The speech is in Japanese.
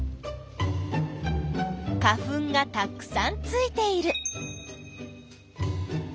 花粉がたくさんついている。